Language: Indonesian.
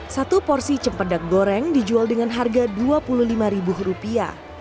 satu porsi cempedak goreng dijual dengan harga dua puluh lima rupiah